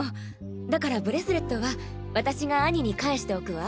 だからブレスレットは私が兄に返しておくわ。